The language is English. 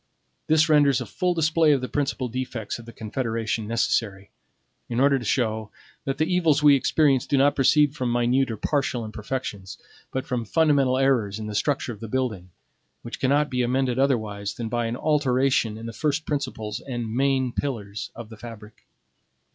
This renders a full display of the principal defects of the Confederation necessary, in order to show that the evils we experience do not proceed from minute or partial imperfections, but from fundamental errors in the structure of the building, which cannot be amended otherwise than by an alteration in the first principles and main pillars of the fabric.